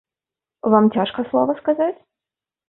Вам цяжка слова сказаць?